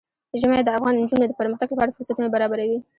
ژمی د افغان نجونو د پرمختګ لپاره فرصتونه برابروي.